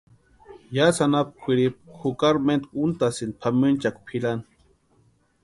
Yásï anapu kwʼiripu jukari mentku untasïni pʼamenchakwa pʼirani.